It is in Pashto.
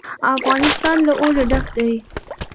افغانستان له اوړي ډک دی.